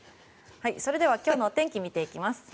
それでは今日のお天気見ていきます。